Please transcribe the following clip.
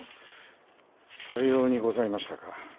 さようにございましたか。